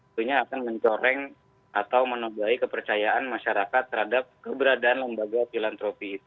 tentunya akan mencoreng atau menodai kepercayaan masyarakat terhadap keberadaan lembaga filantropi itu